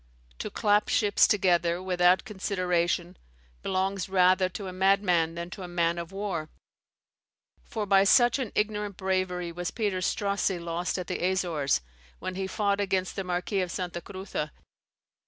To clap ships together, without consideration, belongs rather to a madman than to a man of war; for by such an ignorant bravery was Peter Strossie lost at the Azores, when he fought against the Marquis of Santa Cruza.